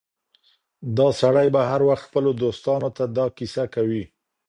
دا سړی به هر وخت خپلو دوستانو ته دا کيسه کوي.